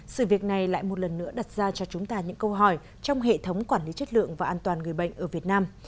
sự việc này lại một lần nữa đặt ra cho chúng ta những câu hỏi trong hệ thống quản lý chất lượng và an toàn người bệnh ở việt nam